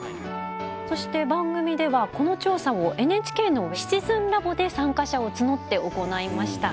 そして番組ではこの調査をＮＨＫのシチズンラボで参加者をつのって行いました。